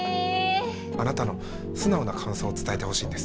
あなたの素直な感想を伝えてほしいんです。